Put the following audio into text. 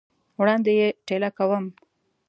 وړاندي یې ټېله کوم !